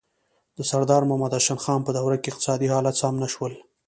د سردار محمد هاشم خان په دوره کې اقتصادي حالات سم نه شول.